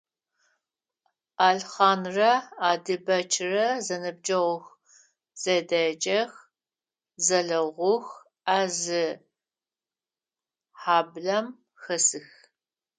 Алхъанрэ Адибэчрэ зэныбджэгъух, зэдеджэх, зэлэгъух, а зы хьаблэм хэсых.